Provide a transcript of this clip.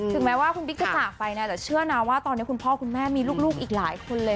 แม้ว่าคุณบิ๊กจะจากไปนะแต่เชื่อนะว่าตอนนี้คุณพ่อคุณแม่มีลูกอีกหลายคนเลย